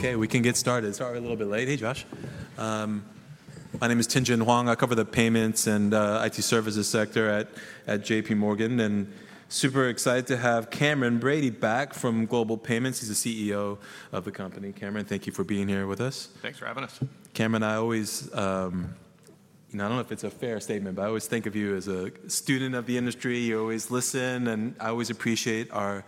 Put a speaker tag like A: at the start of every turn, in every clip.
A: Okay, we can get started. Start a little bit late. Hey, Josh. My name is Tien-Tsin Huang. I cover the payments and IT services sector at JPMorgan, and super excited to have Cameron Bready back from Global Payments. He's the CEO of the company. Cameron, thank you for being here with us.
B: Thanks for having us.
A: Cameron, I always—I do not know if it is a fair statement, but I always think of you as a student of the industry. You always listen, and I always appreciate our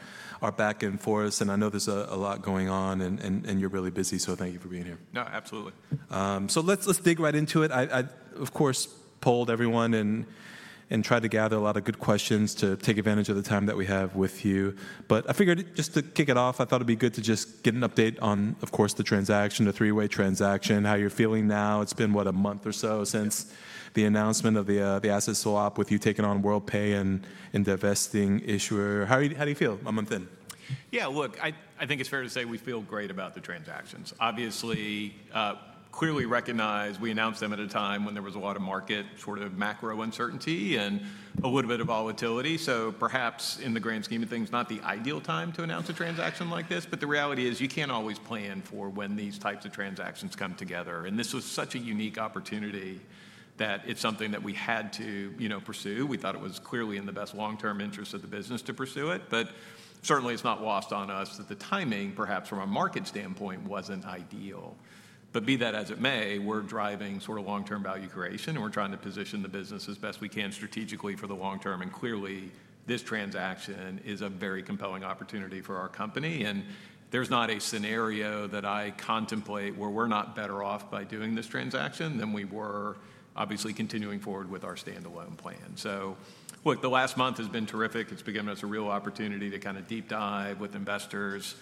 A: back and forth. I know there is a lot going on, and you are really busy, so thank you for being here.
B: No, absolutely.
A: Let's dig right into it. I, of course, polled everyone and tried to gather a lot of good questions to take advantage of the time that we have with you. I figured, just to kick it off, I thought it'd be good to just get an update on, of course, the transaction, the three-way transaction, how you're feeling now. It's been, what, a month or so since the announcement of the asset swap with you taking on Worldpay and divesting Issuer. How do you feel a month in?
B: Yeah, look, I think it's fair to say we feel great about the transactions. Obviously, clearly recognize we announced them at a time when there was a lot of market sort of macro uncertainty and a little bit of volatility. Perhaps, in the grand scheme of things, not the ideal time to announce a transaction like this. The reality is you can't always plan for when these types of transactions come together. This was such a unique opportunity that it's something that we had to pursue. We thought it was clearly in the best long-term interest of the business to pursue it. Certainly, it's not lost on us that the timing, perhaps from a market standpoint, wasn't ideal. Be that as it may, we're driving sort of long-term value creation, and we're trying to position the business as best we can strategically for the long term. Clearly, this transaction is a very compelling opportunity for our company. There's not a scenario that I contemplate where we're not better off by doing this transaction than we were, obviously, continuing forward with our standalone plan. Look, the last month has been terrific. It's been giving us a real opportunity to kind of deep dive with investors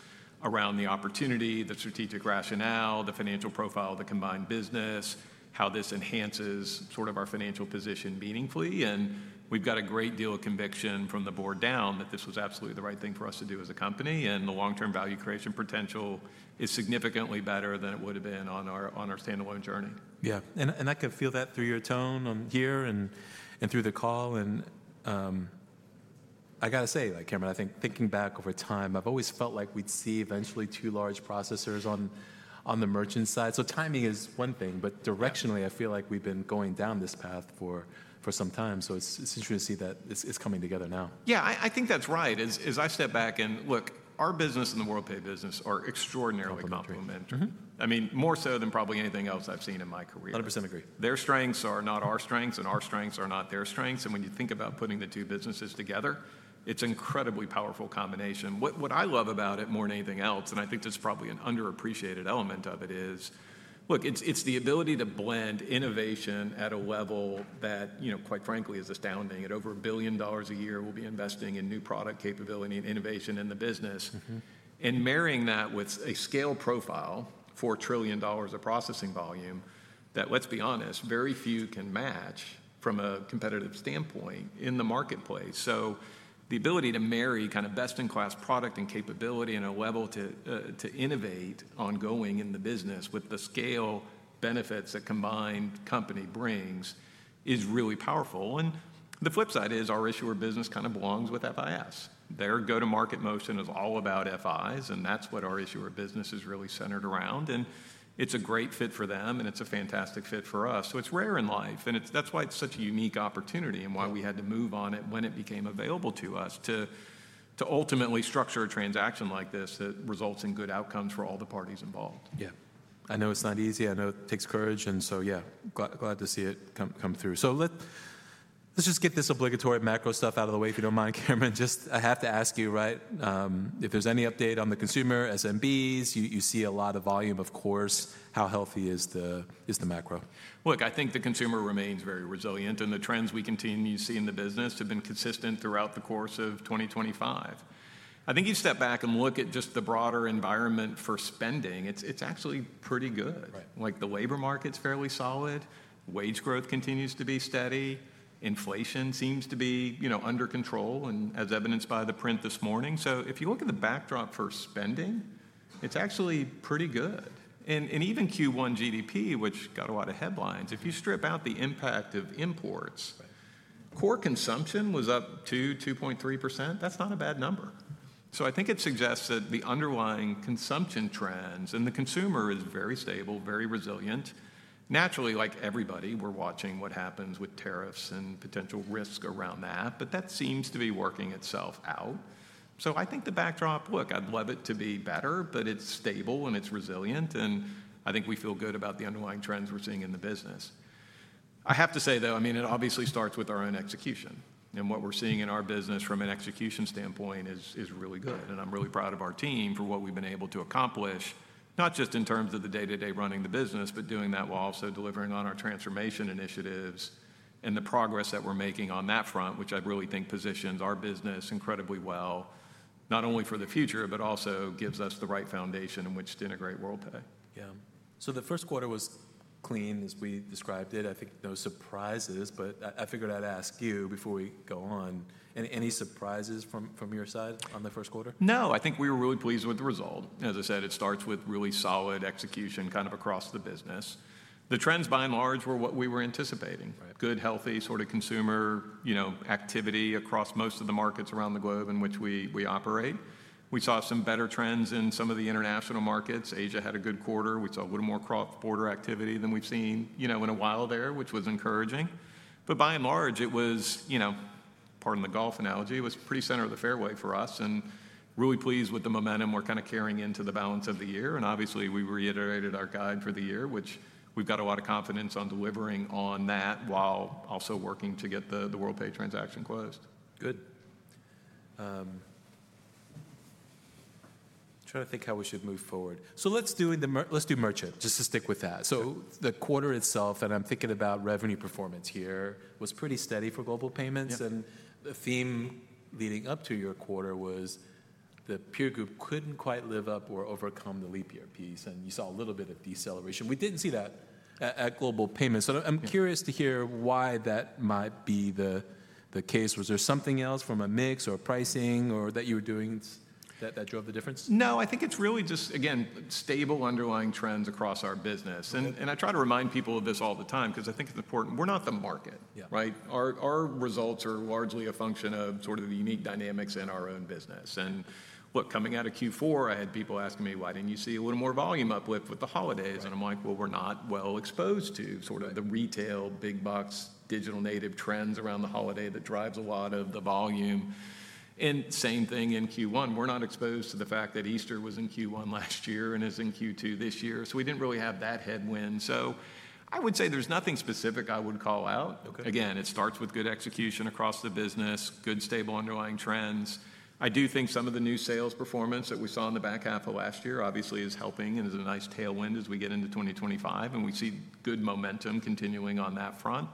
B: around the opportunity, the strategic rationale, the financial profile of the combined business, how this enhances sort of our financial position meaningfully. We've got a great deal of conviction from the board down that this was absolutely the right thing for us to do as a company. The long-term value creation potential is significantly better than it would have been on our standalone journey.
A: Yeah. I could feel that through your tone here and through the call. I got to say, Cameron, I think thinking back over time, I've always felt like we'd see eventually two large processors on the merchant side. Timing is one thing. Directionally, I feel like we've been going down this path for some time. It's interesting to see that it's coming together now.
B: Yeah, I think that's right. As I step back and look, our business and the Worldpay business are extraordinarily complementary. I mean, more so than probably anything else I've seen in my career.
A: 100% agree.
B: Their strengths are not our strengths, and our strengths are not their strengths. When you think about putting the two businesses together, it's an incredibly powerful combination. What I love about it, more than anything else, and I think there's probably an underappreciated element of it, is, look, it's the ability to blend innovation at a level that, quite frankly, is astounding. At over $1 billion a year, we'll be investing in new product capability and innovation in the business. Marrying that with a scale profile, $4 trillion of processing volume, that, let's be honest, very few can match from a competitive standpoint in the marketplace. The ability to marry kind of best-in-class product and capability on a level to innovate ongoing in the business with the scale benefits that combined company brings is really powerful. The flip side is our Issuer business kind of belongs with FIS. Their go-to-market motion is all about FIs, and that's what our Issuer business is really centered around. It's a great fit for them, and it's a fantastic fit for us. It's rare in life. That's why it's such a unique opportunity and why we had to move on it when it became available to us to ultimately structure a transaction like this that results in good outcomes for all the parties involved.
A: Yeah. I know it's not easy. I know it takes courage. Yeah, glad to see it come through. Let's just get this obligatory macro stuff out of the way, if you don't mind, Cameron. I have to ask you, right? If there's any update on the consumer SMBs, you see a lot of volume, of course. How healthy is the macro?
B: Look, I think the consumer remains very resilient, and the trends we continue to see in the business have been consistent throughout the course of 2025. I think you step back and look at just the broader environment for spending, it's actually pretty good. Like the labor market's fairly solid. Wage growth continues to be steady. Inflation seems to be under control, as evidenced by the print this morning. If you look at the backdrop for spending, it's actually pretty good. Even Q1 GDP, which got a lot of headlines, if you strip out the impact of imports, core consumption was up to 2.3%. That's not a bad number. I think it suggests that the underlying consumption trends and the consumer is very stable, very resilient. Naturally, like everybody, we're watching what happens with tariffs and potential risk around that. That seems to be working itself out. I think the backdrop, look, I'd love it to be better, but it's stable and it's resilient. I think we feel good about the underlying trends we're seeing in the business. I have to say, though, I mean, it obviously starts with our own execution. What we're seeing in our business from an execution standpoint is really good. I'm really proud of our team for what we've been able to accomplish, not just in terms of the day-to-day running the business, but doing that while also delivering on our transformation initiatives and the progress that we're making on that front, which I really think positions our business incredibly well, not only for the future, but also gives us the right foundation in which to integrate Worldpay.
A: Yeah. The first quarter was clean, as we described it. I think no surprises. I figured I'd ask you before we go on, any surprises from your side on the first quarter?
B: No. I think we were really pleased with the result. As I said, it starts with really solid execution kind of across the business. The trends, by and large, were what we were anticipating: good, healthy sort of consumer activity across most of the markets around the globe in which we operate. We saw some better trends in some of the international markets. Asia had a good quarter. We saw a little more cross-border activity than we've seen in a while there, which was encouraging. By and large, it was, pardon the golf analogy, it was pretty center of the fairway for us. Really pleased with the momentum we're kind of carrying into the balance of the year. Obviously, we reiterated our guide for the year, which we've got a lot of confidence on delivering on that while also working to get the Worldpay transaction closed.
A: Good. I'm trying to think how we should move forward. Let's do merchant, just to stick with that. The quarter itself, and I'm thinking about revenue performance here, was pretty steady for Global Payments. The theme leading up to your quarter was the peer group couldn't quite live up or overcome the leap year piece. You saw a little bit of deceleration. We didn't see that at Global Payments. I'm curious to hear why that might be the case. Was there something else from a mix or pricing or that you were doing that drove the difference?
B: No, I think it's really just, again, stable underlying trends across our business. I try to remind people of this all the time because I think it's important. We're not the market, right? Our results are largely a function of sort of the unique dynamics in our own business. Look, coming out of Q4, I had people asking me, why didn't you see a little more volume uplift with the holidays? I'm like, we're not well exposed to sort of the retail, big-box, digital-native trends around the holiday that drives a lot of the volume. Same thing in Q1. We're not exposed to the fact that Easter was in Q1 last year and is in Q2 this year. We didn't really have that headwind. I would say there's nothing specific I would call out. Again, it starts with good execution across the business, good stable underlying trends. I do think some of the new sales performance that we saw in the back half of last year obviously is helping and is a nice tailwind as we get into 2025. We see good momentum continuing on that front.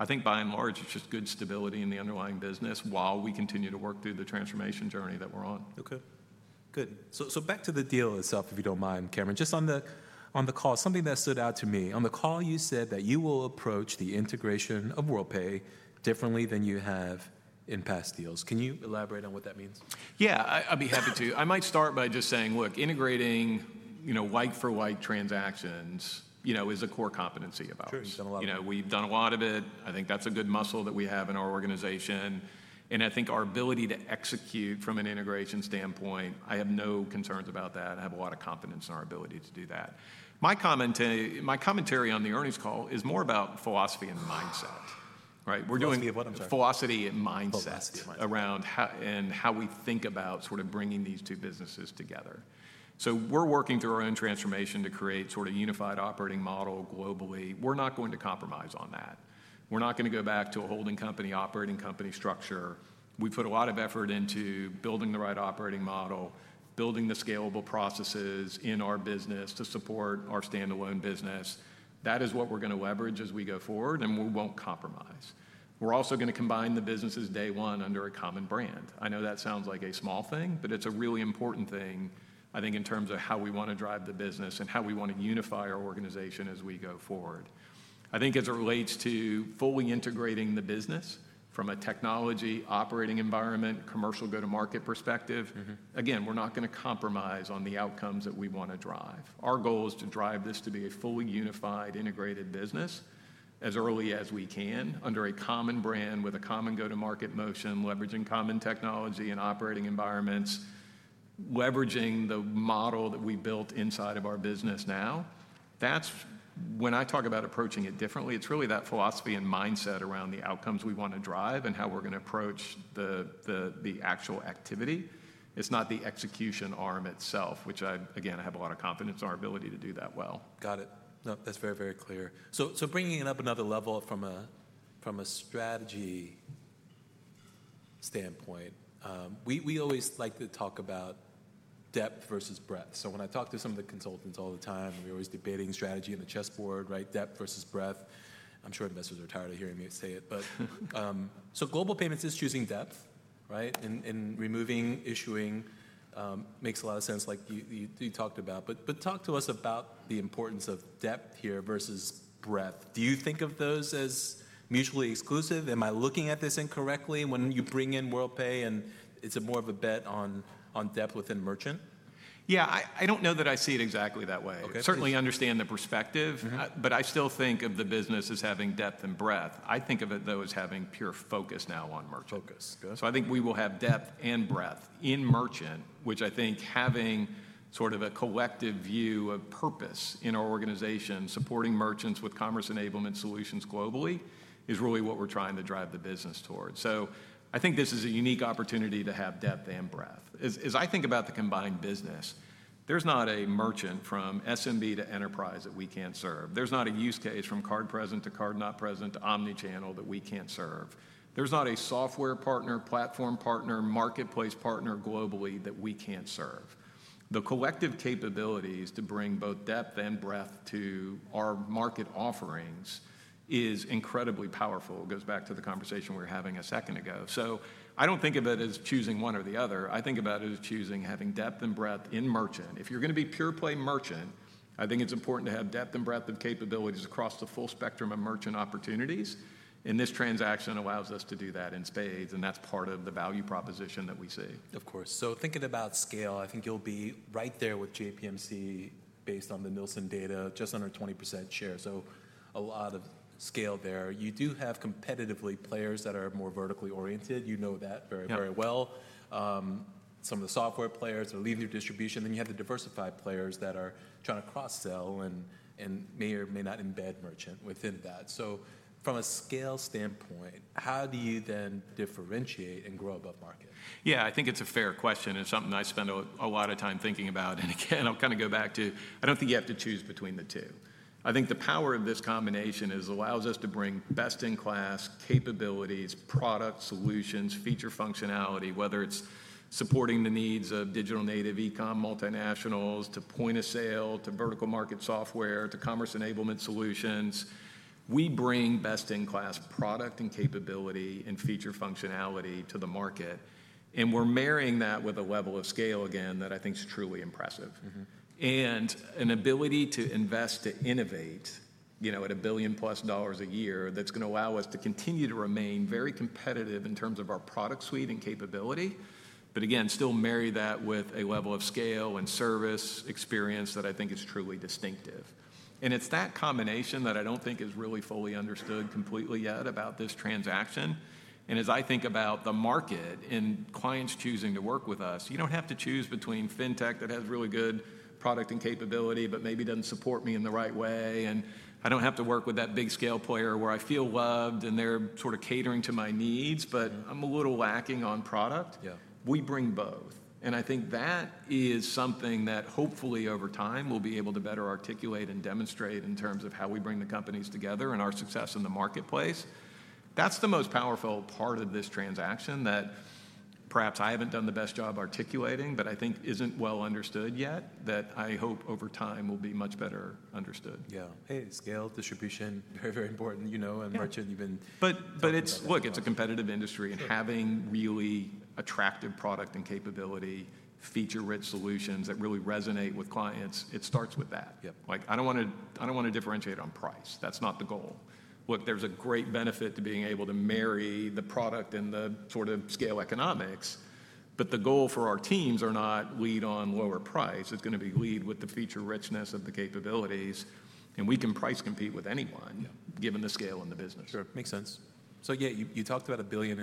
B: I think, by and large, it's just good stability in the underlying business while we continue to work through the transformation journey that we're on.
A: Okay. Good. Back to the deal itself, if you don't mind, Cameron. Just on the call, something that stood out to me. On the call, you said that you will approach the integration of Worldpay differently than you have in past deals. Can you elaborate on what that means?
B: Yeah, I'd be happy to. I might start by just saying, look, integrating like-for-like transactions is a core competency of ours. We've done a lot of it. I think that's a good muscle that we have in our organization. I think our ability to execute from an integration standpoint, I have no concerns about that. I have a lot of confidence in our ability to do that. My commentary on the earnings call is more about philosophy and mindset, right?
A: Philosophy of what? I'm sorry.
B: Philosophy and mindset around how we think about sort of bringing these two businesses together. We are working through our own transformation to create sort of a unified operating model globally. We are not going to compromise on that. We are not going to go back to a holding company-operating company structure. We have put a lot of effort into building the right operating model, building the scalable processes in our business to support our standalone business. That is what we are going to leverage as we go forward, and we will not compromise. We are also going to combine the businesses day one under a common brand. I know that sounds like a small thing, but it is a really important thing, I think, in terms of how we want to drive the business and how we want to unify our organization as we go forward. I think as it relates to fully integrating the business from a technology-operating environment, commercial go-to-market perspective, again, we're not going to compromise on the outcomes that we want to drive. Our goal is to drive this to be a fully unified, integrated business as early as we can under a common brand with a common go-to-market motion, leveraging common technology and operating environments, leveraging the model that we built inside of our business now. That's when I talk about approaching it differently. It's really that philosophy and mindset around the outcomes we want to drive and how we're going to approach the actual activity. It's not the execution arm itself, which I, again, have a lot of confidence in our ability to do that well.
A: Got it. No, that's very, very clear. Bringing it up another level from a strategy standpoint, we always like to talk about depth versus breadth. When I talk to some of the consultants all the time, we're always debating strategy on the chessboard, right? Depth versus breadth. I'm sure investors are tired of hearing me say it. Global Payments is choosing depth, right? Removing issuing makes a lot of sense, like you talked about. Talk to us about the importance of depth here versus breadth. Do you think of those as mutually exclusive? Am I looking at this incorrectly when you bring in Worldpay and it's more of a bet on depth within merchant?
B: Yeah, I don't know that I see it exactly that way. I certainly understand the perspective, but I still think of the business as having depth and breadth. I think of it, though, as having pure focus now on merchant. I think we will have depth and breadth in merchant, which I think having sort of a collective view of purpose in our organization, supporting merchants with commerce enablement solutions globally, is really what we're trying to drive the business towards. I think this is a unique opportunity to have depth and breadth. As I think about the combined business, there's not a merchant from SMB to enterprise that we can't serve. There's not a use case from card present to card not present to omni-channel that we can't serve. There's not a software partner, platform partner, marketplace partner globally that we can't serve. The collective capabilities to bring both depth and breadth to our market offerings is incredibly powerful. It goes back to the conversation we were having a second ago. I do not think of it as choosing one or the other. I think about it as choosing having depth and breadth in merchant. If you're going to be pure-play merchant, I think it's important to have depth and breadth of capabilities across the full spectrum of merchant opportunities. This transaction allows us to do that in spades. That is part of the value proposition that we see.
A: Of course. Thinking about scale, I think you'll be right there with JPMC based on the Nielsen data, just under 20% share. A lot of scale there. You do have competitively players that are more vertically oriented. You know that very, very well. Some of the software players that are leaving their distribution. You have the diversified players that are trying to cross-sell and may or may not embed merchant within that. From a scale standpoint, how do you then differentiate and grow above market?
B: Yeah, I think it's a fair question. It's something I spend a lot of time thinking about. Again, I'll kind of go back to I don't think you have to choose between the two. I think the power of this combination is it allows us to bring best-in-class capabilities, product solutions, feature functionality, whether it's supporting the needs of digital-native e-comm multinationals to point-of-sale to vertical market software to commerce enablement solutions. We bring best-in-class product and capability and feature functionality to the market. We're marrying that with a level of scale, again, that I think is truly impressive. An ability to invest to innovate at a billion-plus dollars a year that's going to allow us to continue to remain very competitive in terms of our product suite and capability. Again, still marry that with a level of scale and service experience that I think is truly distinctive. It is that combination that I do not think is really fully understood completely yet about this transaction. As I think about the market and clients choosing to work with us, you do not have to choose between fintech that has really good product and capability, but maybe does not support me in the right way. I do not have to work with that big-scale player where I feel loved and they are sort of catering to my needs, but I am a little lacking on product. We bring both. I think that is something that hopefully over time we will be able to better articulate and demonstrate in terms of how we bring the companies together and our success in the marketplace. That's the most powerful part of this transaction that perhaps I haven't done the best job articulating, but I think isn't well understood yet, that I hope over time will be much better understood.
A: Yeah. Hey, scale, distribution, very, very important. You know, on merchant, you've been.
B: Look, it's a competitive industry. And having really attractive product and capability, feature-rich solutions that really resonate with clients, it starts with that. I don't want to differentiate on price. That's not the goal. Look, there's a great benefit to being able to marry the product and the sort of scale economics. But the goal for our teams are not lead on lower price. It's going to be lead with the feature richness of the capabilities. And we can price compete with anyone given the scale in the business.
A: Sure. Makes sense. Yeah, you talked about a billion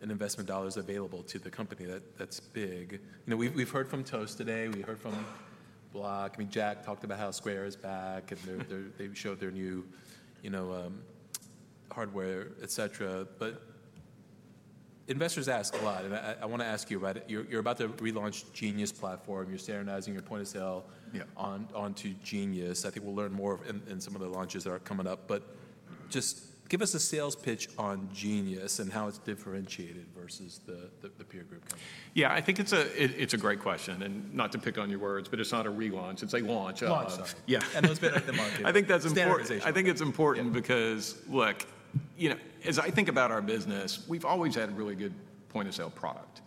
A: in investment dollars available to the company. That's big. We've heard from Toast today. We heard from Block. I mean, Jack talked about how Square is back. They showed their new hardware, et cetera. Investors ask a lot. I want to ask you about it. You're about to relaunch Genius platform. You're standardizing your point-of-sale onto Genius. I think we'll learn more in some of the launches that are coming up. Just give us a sales pitch on Genius and how it's differentiated versus the peer group company.
B: Yeah, I think it's a great question. Not to pick on your words, but it's not a relaunch. It's a launch.
A: Launch.
B: Yeah.
A: There has been a demand for it.
B: I think that's important. I think it's important because, look, as I think about our business, we've always had a really good point-of-sale product.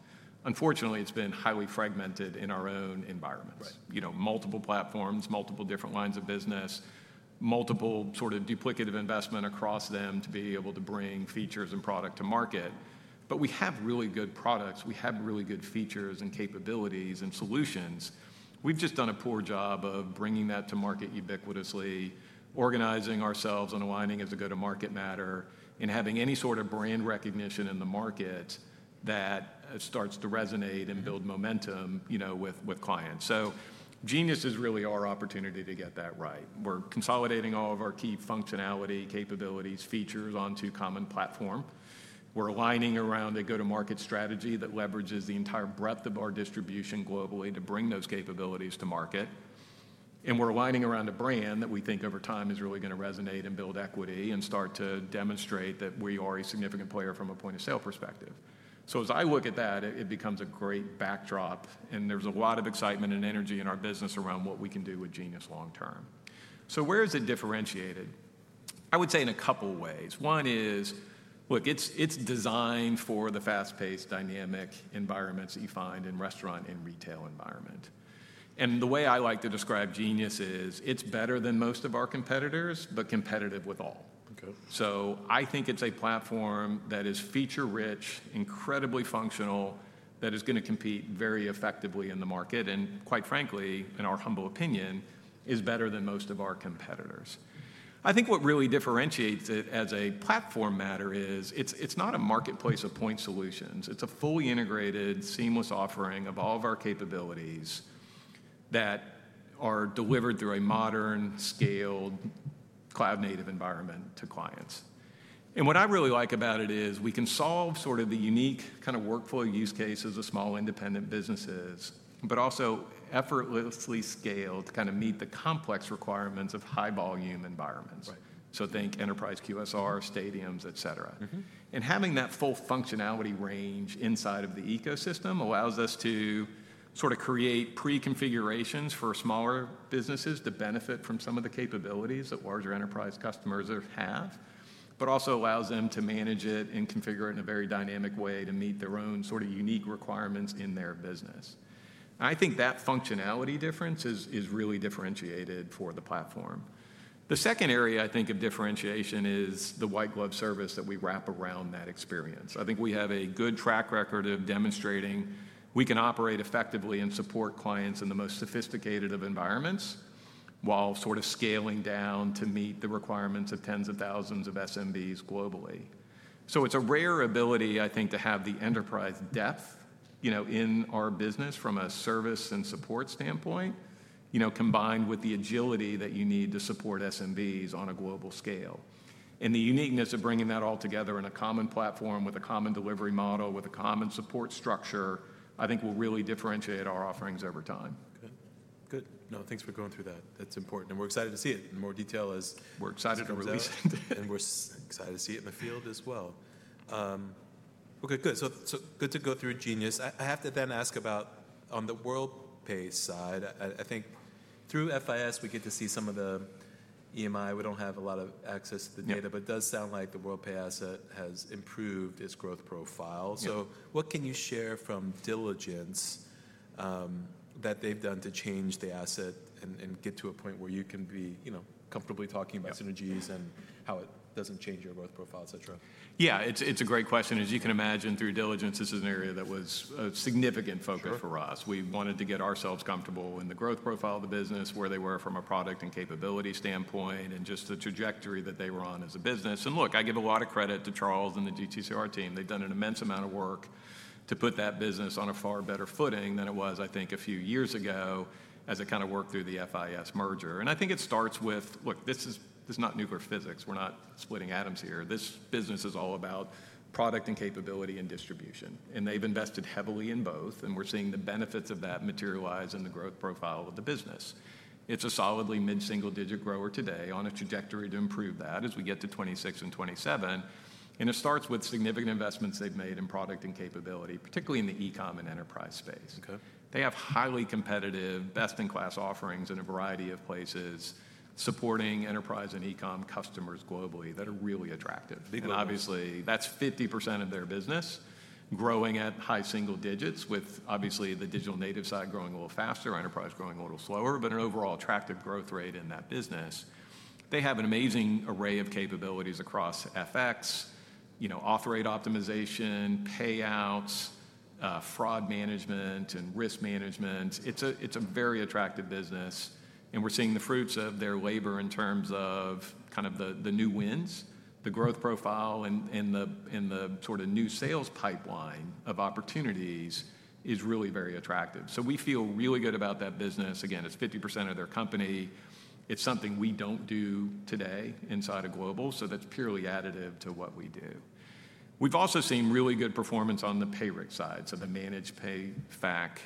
B: Unfortunately, it's been highly fragmented in our own environments. Multiple platforms, multiple different lines of business, multiple sort of duplicative investment across them to be able to bring features and product to market. But we have really good products. We have really good features and capabilities and solutions. We've just done a poor job of bringing that to market ubiquitously, organizing ourselves and aligning as a go-to-market matter and having any sort of brand recognition in the market that starts to resonate and build momentum with clients. Genius is really our opportunity to get that right. We're consolidating all of our key functionality, capabilities, features onto common platform. We're aligning around a go-to-market strategy that leverages the entire breadth of our distribution globally to bring those capabilities to market. We're aligning around a brand that we think over time is really going to resonate and build equity and start to demonstrate that we are a significant player from a point-of-sale perspective. As I look at that, it becomes a great backdrop. There's a lot of excitement and energy in our business around what we can do with Genius long-term. Where is it differentiated? I would say in a couple of ways. One is, look, it's designed for the fast-paced, dynamic environments that you find in restaurant and retail environment. The way I like to describe Genius is it's better than most of our competitors, but competitive with all. I think it's a platform that is feature-rich, incredibly functional, that is going to compete very effectively in the market. And quite frankly, in our humble opinion, is better than most of our competitors. I think what really differentiates it as a platform matter is it's not a marketplace of point solutions. It's a fully integrated, seamless offering of all of our capabilities that are delivered through a modern, scaled cloud-native environment to clients. What I really like about it is we can solve sort of the unique kind of workflow use cases of small independent businesses, but also effortlessly scale to kind of meet the complex requirements of high-volume environments. Think enterprise QSR, stadiums, et cetera. Having that full functionality range inside of the ecosystem allows us to sort of create pre-configurations for smaller businesses to benefit from some of the capabilities that larger enterprise customers have, but also allows them to manage it and configure it in a very dynamic way to meet their own sort of unique requirements in their business. I think that functionality difference is really differentiated for the platform. The second area, I think, of differentiation is the white-glove service that we wrap around that experience. I think we have a good track record of demonstrating we can operate effectively and support clients in the most sophisticated of environments while sort of scaling down to meet the requirements of tens of thousands of SMBs globally. It's a rare ability, I think, to have the enterprise depth in our business from a service and support standpoint, combined with the agility that you need to support SMBs on a global scale. The uniqueness of bringing that all together in a common platform with a common delivery model, with a common support structure, I think will really differentiate our offerings over time.
A: Good. Good. No, thanks for going through that. That's important. We're excited to see it in more detail as we're excited to release it. We're excited to see it in the field as well. Okay, good. Good to go through Genius. I have to then ask about on the Worldpay side. I think through FIS, we get to see some of the EMI. We do not have a lot of access to the data, but it does sound like the Worldpay asset has improved its growth profile. What can you share from diligence that they've done to change the asset and get to a point where you can be comfortably talking about synergies and how it does not change your growth profile, et cetera?
B: Yeah, it's a great question. As you can imagine, through diligence, this is an area that was a significant focus for us. We wanted to get ourselves comfortable in the growth profile of the business, where they were from a product and capability standpoint, and just the trajectory that they were on as a business. Look, I give a lot of credit to Charles and the GTCR team. They've done an immense amount of work to put that business on a far better footing than it was, I think, a few years ago as it kind of worked through the FIS merger. I think it starts with, look, this is not nuclear physics. We're not splitting atoms here. This business is all about product and capability and distribution. They've invested heavily in both. We're seeing the benefits of that materialize in the growth profile of the business. It's a solidly mid-single-digit grower today on a trajectory to improve that as we get to 2026 and 2027. It starts with significant investments they've made in product and capability, particularly in the e-comm and enterprise space. They have highly competitive, best-in-class offerings in a variety of places supporting enterprise and e-comm customers globally that are really attractive. Obviously, that's 50% of their business growing at high single digits with the digital-native side growing a little faster, enterprise growing a little slower, but an overall attractive growth rate in that business. They have an amazing array of capabilities across FX, auth rate optimization, payouts, fraud management, and risk management. It's a very attractive business. We're seeing the fruits of their labor in terms of the new wins. The growth profile and the sort of new sales pipeline of opportunities is really very attractive. We feel really good about that business. Again, it's 50% of their company. It's something we don't do today inside of Global. That's purely additive to what we do. We've also seen really good performance on the pay rate side. The managed Payfac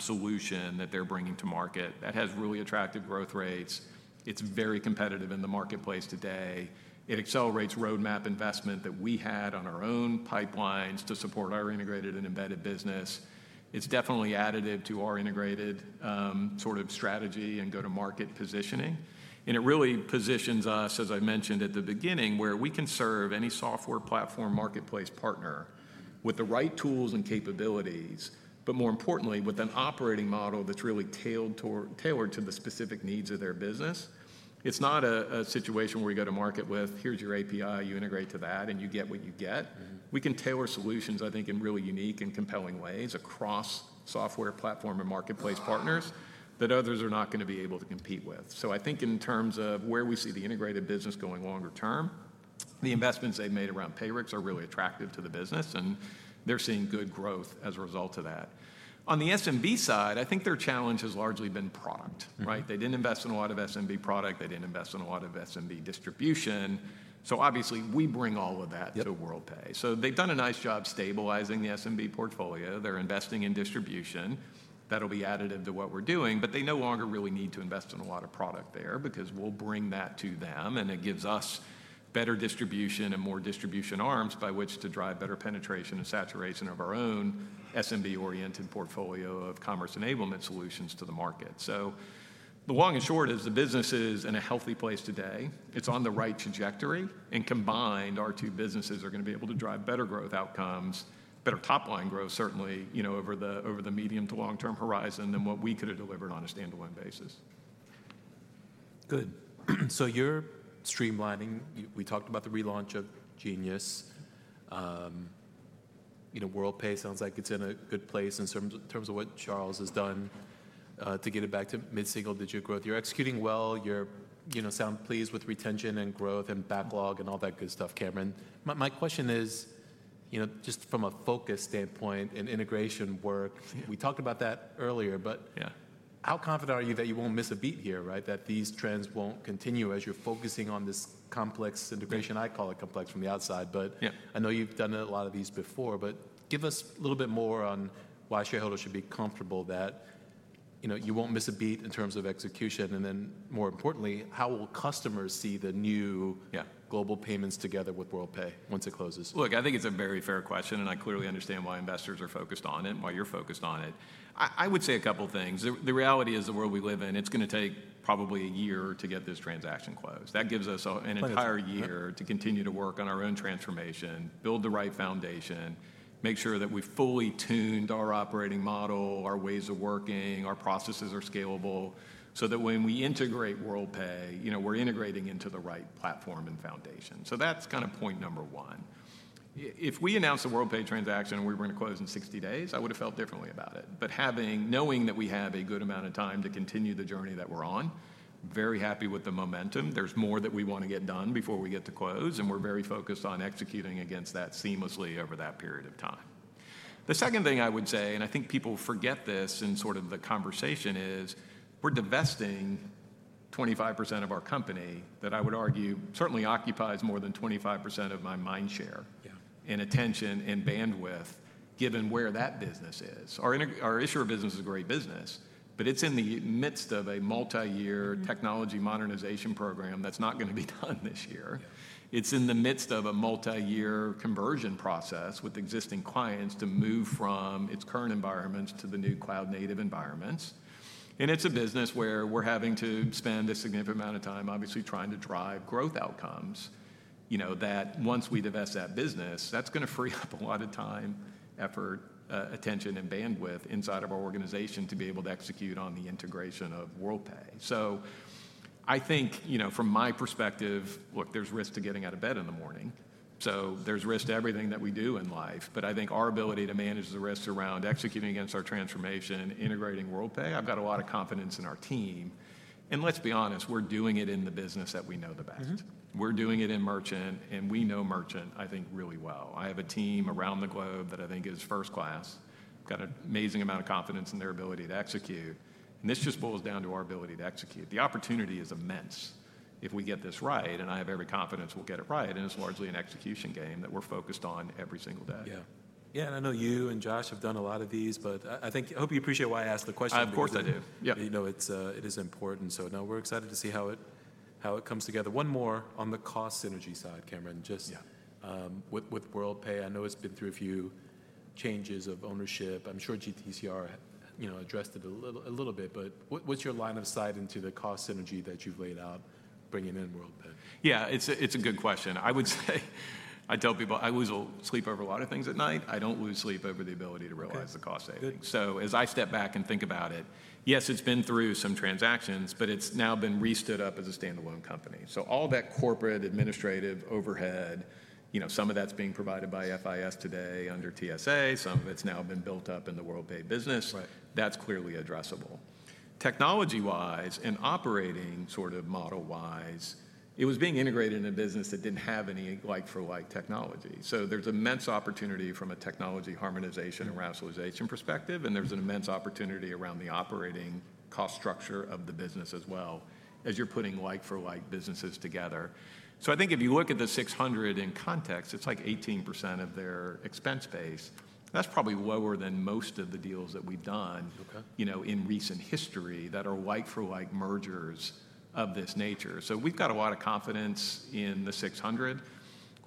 B: solution that they're bringing to market has really attractive growth rates. It's very competitive in the marketplace today. It accelerates roadmap investment that we had on our own pipelines to support our integrated and embedded business. It's definitely additive to our integrated sort of strategy and go-to-market positioning. It really positions us, as I mentioned at the beginning, where we can serve any software platform marketplace partner with the right tools and capabilities, but more importantly, with an operating model that's really tailored to the specific needs of their business. It's not a situation where you go to market with, "Here's your API. You integrate to that, and you get what you get." We can tailor solutions, I think, in really unique and compelling ways across software platform and marketplace partners that others are not going to be able to compete with. I think in terms of where we see the integrated business going longer term, the investments they've made around pay rates are really attractive to the business. They're seeing good growth as a result of that. On the SMB side, I think their challenge has largely been product. They didn't invest in a lot of SMB product. They didn't invest in a lot of SMB distribution. Obviously, we bring all of that to Worldpay. They've done a nice job stabilizing the SMB portfolio. They're investing in distribution. That'll be additive to what we're doing. They no longer really need to invest in a lot of product there because we'll bring that to them. It gives us better distribution and more distribution arms by which to drive better penetration and saturation of our own SMB-oriented portfolio of commerce enablement solutions to the market. The long and short is the business is in a healthy place today. It's on the right trajectory. Combined, our two businesses are going to be able to drive better growth outcomes, better top-line growth, certainly over the medium to long-term horizon than what we could have delivered on a standalone basis.
A: Good. You're streamlining. We talked about the relaunch of Genius. Worldpay sounds like it's in a good place in terms of what Charles has done to get it back to mid-single-digit growth. You're executing well. You sound pleased with retention and growth and backlog and all that good stuff, Cameron. My question is, just from a focus standpoint and integration work, we talked about that earlier, but how confident are you that you won't miss a beat here, right? That these trends won't continue as you're focusing on this complex integration? I call it complex from the outside, but I know you've done a lot of these before. Give us a little bit more on why we should be comfortable that you won't miss a beat in terms of execution. More importantly, how will customers see the new Global Payments together with Worldpay once it closes?
B: Look, I think it's a very fair question. I clearly understand why investors are focused on it and why you're focused on it. I would say a couple of things. The reality is the world we live in, it's going to take probably a year to get this transaction closed. That gives us an entire year to continue to work on our own transformation, build the right foundation, make sure that we've fully tuned our operating model, our ways of working, our processes are scalable so that when we integrate Worldpay, we're integrating into the right platform and foundation. That's kind of point number one. If we announced a Worldpay transaction and we were going to close in 60 days, I would have felt differently about it. Knowing that we have a good amount of time to continue the journey that we're on, very happy with the momentum. There's more that we want to get done before we get to close. We're very focused on executing against that seamlessly over that period of time. The second thing I would say, and I think people forget this in sort of the conversation, is we're divesting 25% of our company that I would argue certainly occupies more than 25% of my mind share in attention and bandwidth given where that business is. Our issuer business is a great business, but it's in the midst of a multi-year technology modernization program that's not going to be done this year. It's in the midst of a multi-year conversion process with existing clients to move from its current environments to the new cloud-native environments. It is a business where we are having to spend a significant amount of time obviously trying to drive growth outcomes that once we divest that business, that is going to free up a lot of time, effort, attention, and bandwidth inside of our organization to be able to execute on the integration of Worldpay. I think from my perspective, look, there is risk to getting out of bed in the morning. There is risk to everything that we do in life. I think our ability to manage the risks around executing against our transformation, integrating Worldpay, I have got a lot of confidence in our team. Let's be honest, we are doing it in the business that we know the best. We are doing it in merchant. We know merchant, I think, really well. I have a team around the globe that I think is first class. I've got an amazing amount of confidence in their ability to execute. This just boils down to our ability to execute. The opportunity is immense if we get this right. I have every confidence we'll get it right. It's largely an execution game that we're focused on every single day.
A: Yeah. Yeah. I know you and Josh have done a lot of these, but I hope you appreciate why I asked the question.
B: Of course, I do.
A: It is important. No, we're excited to see how it comes together. One more on the cost synergy side, Cameron, just with Worldpay. I know it's been through a few changes of ownership. I'm sure GTCR addressed it a little bit. What's your line of sight into the cost synergy that you've laid out bringing in Worldpay?
B: Yeah, it's a good question. I would say I tell people I lose sleep over a lot of things at night. I don't lose sleep over the ability to realize the cost savings. As I step back and think about it, yes, it's been through some transactions, but it's now been re-stood up as a standalone company. All that corporate administrative overhead, some of that's being provided by FIS today under TSA. Some of it's now been built up in the Worldpay business. That's clearly addressable. Technology-wise and operating sort of model-wise, it was being integrated in a business that didn't have any like-for-like technology. There's immense opportunity from a technology harmonization and rationalization perspective. There's an immense opportunity around the operating cost structure of the business as well as you're putting like-for-like businesses together. I think if you look at the 600 in context, it's like 18% of their expense base. That's probably lower than most of the deals that we've done in recent history that are like-for-like mergers of this nature. We've got a lot of confidence in the 600.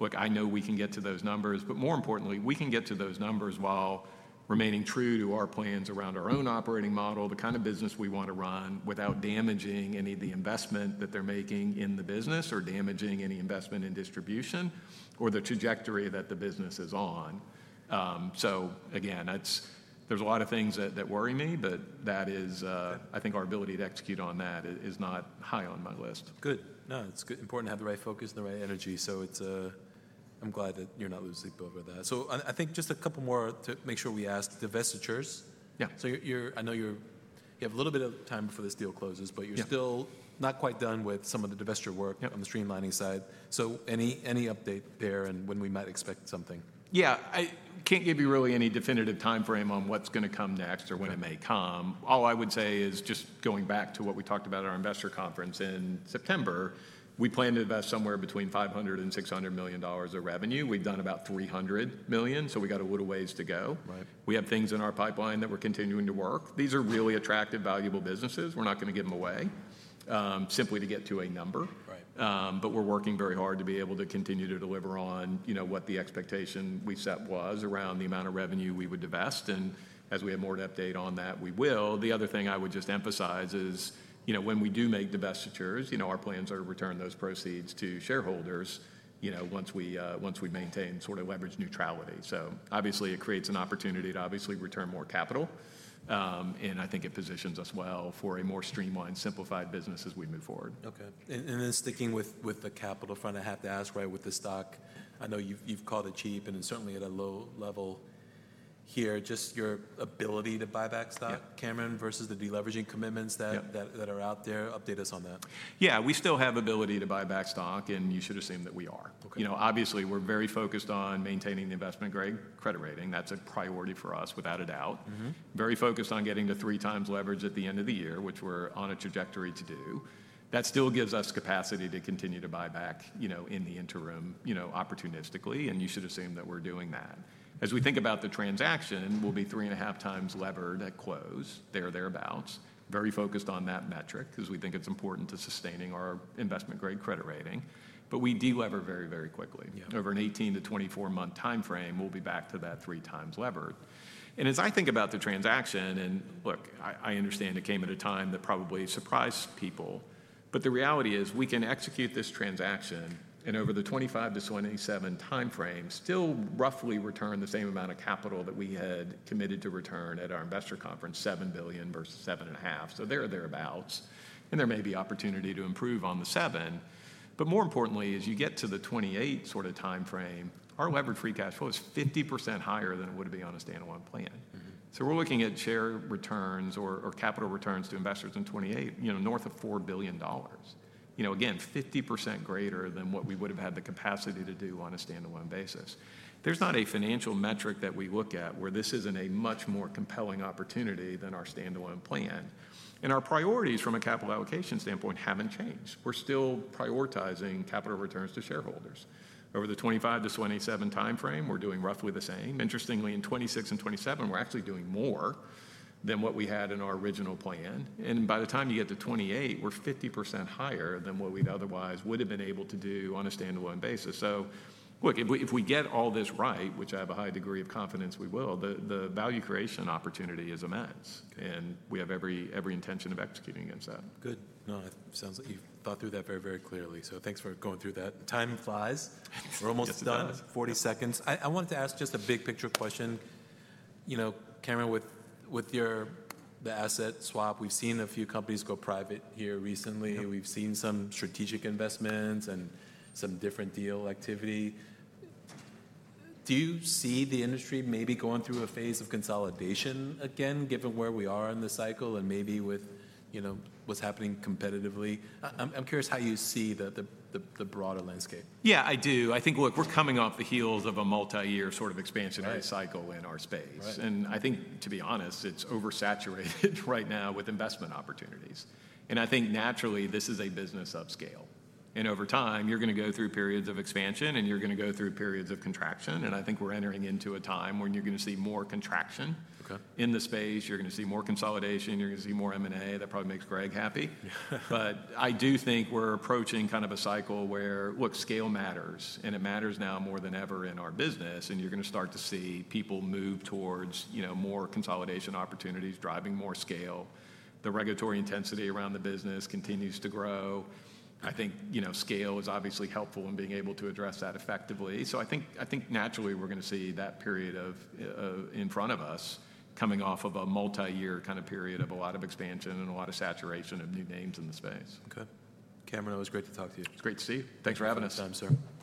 B: Look, I know we can get to those numbers. More importantly, we can get to those numbers while remaining true to our plans around our own operating model, the kind of business we want to run without damaging any of the investment that they're making in the business or damaging any investment in distribution or the trajectory that the business is on. Again, there are a lot of things that worry me, but that is, I think our ability to execute on that is not high on my list.
A: Good. No, it's important to have the right focus and the right energy. I'm glad that you're not losing sleep over that. I think just a couple more to make sure we ask divestitures. I know you have a little bit of time before this deal closes, but you're still not quite done with some of the divestiture work on the streamlining side. Any update there and when we might expect something?
B: Yeah. I can't give you really any definitive timeframe on what's going to come next or when it may come. All I would say is just going back to what we talked about at our investor conference in September, we plan to invest somewhere between $500 million and $600 million of revenue. We've done about $300 million. So we've got a little ways to go. We have things in our pipeline that we're continuing to work. These are really attractive, valuable businesses. We're not going to give them away simply to get to a number. We are working very hard to be able to continue to deliver on what the expectation we set was around the amount of revenue we would divest. As we have more to update on that, we will. The other thing I would just emphasize is when we do make divestitures, our plans are to return those proceeds to shareholders once we maintain sort of leverage neutrality. Obviously, it creates an opportunity to obviously return more capital. I think it positions us well for a more streamlined, simplified business as we move forward.
A: Okay. And then sticking with the capital front, I have to ask, right, with the stock, I know you've called it cheap and it's certainly at a low level here, just your ability to buy back stock, Cameron, versus the deleveraging commitments that are out there. Update us on that.
B: Yeah. We still have ability to buy back stock. You should assume that we are. Obviously, we're very focused on maintaining the investment grade credit rating. That's a priority for us without a doubt. Very focused on getting to three times leverage at the end of the year, which we're on a trajectory to do. That still gives us capacity to continue to buy back in the interim opportunistically. You should assume that we're doing that. As we think about the transaction, we'll be three and a half times levered at close, there or thereabouts, very focused on that metric because we think it's important to sustaining our investment grade credit rating. We de-lever very, very quickly. Over an 18 to 24-month timeframe, we'll be back to that three times levered. As I think about the transaction, look, I understand it came at a time that probably surprised people. The reality is we can execute this transaction and over the 2025-2027 timeframe still roughly return the same amount of capital that we had committed to return at our investor conference, $7 billion versus $7.5 billion. There or thereabouts. There may be opportunity to improve on the $7 billion. More importantly, as you get to the 2028 sort of timeframe, our leverage free cash flow is 50% higher than it would have been on a standalone plan. We are looking at share returns or capital returns to investors in 2028 north of $4 billion. Again, 50% greater than what we would have had the capacity to do on a standalone basis. There's not a financial metric that we look at where this isn't a much more compelling opportunity than our standalone plan. Our priorities from a capital allocation standpoint haven't changed. We're still prioritizing capital returns to shareholders. Over the 2025 to 2027 timeframe, we're doing roughly the same. Interestingly, in 2026 and 2027, we're actually doing more than what we had in our original plan. By the time you get to 2028, we're 50% higher than what we otherwise would have been able to do on a standalone basis. Look, if we get all this right, which I have a high degree of confidence we will, the value creation opportunity is immense. We have every intention of executing against that.
A: Good. No, it sounds like you've thought through that very, very clearly. So thanks for going through that. Time flies. We're almost done. Forty seconds. I wanted to ask just a big picture question. Cameron, with the asset swap, we've seen a few companies go private here recently. We've seen some strategic investments and some different deal activity. Do you see the industry maybe going through a phase of consolidation again, given where we are in the cycle and maybe with what's happening competitively? I'm curious how you see the broader landscape.
B: Yeah, I do. I think, look, we're coming off the heels of a multi-year sort of expansionary cycle in our space. I think, to be honest, it's oversaturated right now with investment opportunities. I think naturally, this is a business of scale. Over time, you're going to go through periods of expansion. You're going to go through periods of contraction. I think we're entering into a time when you're going to see more contraction in the space. You're going to see more consolidation. You're going to see more M&A. That probably makes Greg happy. I do think we're approaching kind of a cycle where, look, scale matters. It matters now more than ever in our business. You're going to start to see people move towards more consolidation opportunities, driving more scale. The regulatory intensity around the business continues to grow. I think scale is obviously helpful in being able to address that effectively. I think naturally, we're going to see that period in front of us coming off of a multi-year kind of period of a lot of expansion and a lot of saturation of new names in the space.
A: Okay. Cameron, it was great to talk to you.
B: It's great to see you. Thanks for having us.
A: Thanks for having us, sir.